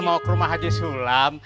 mau ke rumah haji sulam